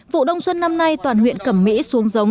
vụ đông xuân năm nay toàn huyện cẩm mỹ xuống giống